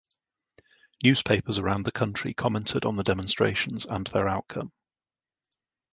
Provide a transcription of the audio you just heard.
Newspapers around the country commented on the demonstrations and their outcome.